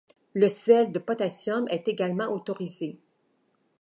Le sel de potassium est également autorisé.